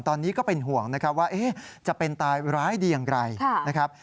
ตอนนี้ก็เป็นห่วงนะครับว่าจะเป็นตายร้ายดีอย่างไรนะครับ